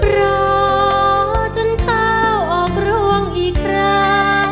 รอจนเท้าออกร่วงอีกรา